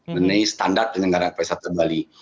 menilai standar penyelenggaraan pariwisata bali